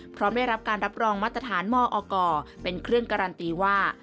พร้อมได้รับการรับรองมาตรฐานมอกเป็นเครื่องการันตีว่า